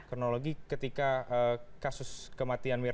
kronologi ketika kasus kematian mirna